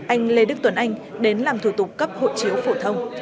anh lê đức tuấn anh đến làm thủ tục cấp hộ chiếu phổ thông